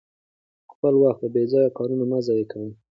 خپل وخت په بې ځایه کارونو مه ضایع کوئ.